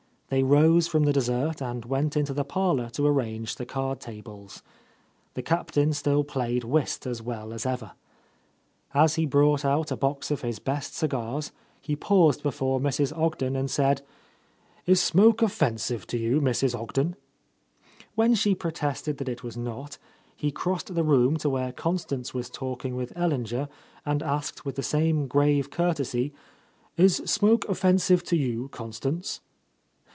They rose from the dessert and went into the parlour to arrange the card tables. The Captain still played whist as well as ever. As he brought out a box of his best cigars, he paused before Mrs. Ogden and A Lost Lady said, "Is smoke offensive to you, Mrs. Ogden?" When she protested that it was not, he crossed the room to where Constance was talking with Ellinger and asked with the same grav« courtesy, "Is smoke offensive to you, Constance?"